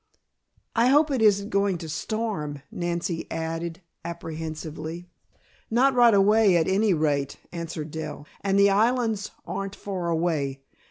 "I hope it isn't going to storm," Nancy added, apprehensively. "Not right away, at any rate," answered Dell. "And the islands aren't far away.